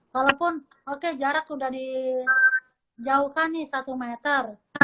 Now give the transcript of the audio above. walaupun oke jarak sudah dijauhkan nih satu meter